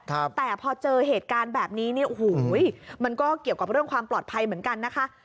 แต่พอเจอเหตุการณ์แบบนี้เนี่ยโอ้โหมันก็เกี่ยวกับเรื่องความปลอดภัยเหมือนกันนะคะ